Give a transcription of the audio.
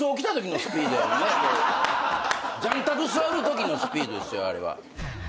雀卓座るときのスピードですよあれは。